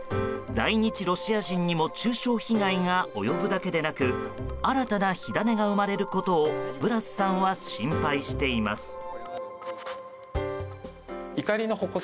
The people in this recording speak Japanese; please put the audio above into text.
在日ロシア人にも中傷被害が及ぶだけでなく新たな火種が生まれることをブラスさんは心配しています。